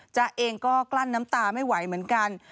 จ๊ะเองก็กลั้นน้ำตาไม่ไหวเหมือนกัน